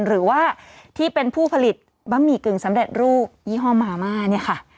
หรือว่าที่เป็นผู้ผลิตบะหมี่กึ่งสำเร็จรูปยี่ห้อมาม่าเนี่ยค่ะ